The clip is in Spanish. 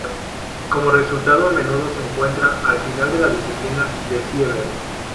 Como resultado, a menudo se encuentra al final de la disciplina de Sieber.